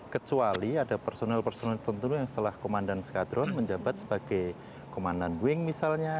kecuali ada personel personel tentu yang setelah komandan skadron menjabat sebagai komandan wing misalnya